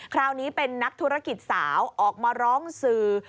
คราวนี้เป็นนักธุรกิจสาวออกมาร้องสื่อ